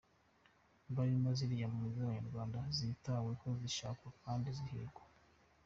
Barimo ziriya mpunzi z’abanyarwanda zititaweho , zishakwa kandi zihigwa;